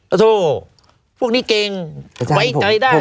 โทษพวกนี้เก่งไว้ใจได้